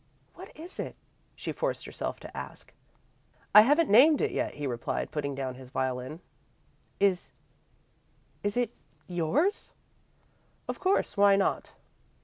"What is it?" she forced herself to ask. "I haven't named it," he replied, putting down his violin. "Is is it yours?" "Of course. Why not?"